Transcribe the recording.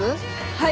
はい。